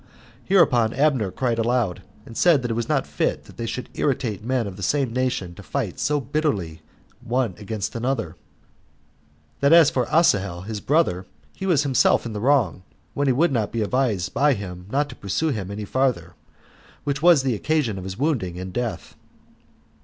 Hereupon Abner cried aloud, and said that it was not fit that they should irritate men of the same nation to fight so bitterly one against another; that as for Asahel his brother, he was himself in the wrong, when he would not be advised by him not to pursue him any farther, which was the occasion of his wounding and death.